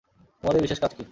তোমাদের বিশেষ কাজ কী?